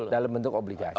dalam bentuk obligasi